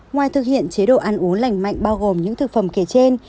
ngoài thực hiện chế độ ăn uống lành mạnh bao gồm những thực phẩm kể trên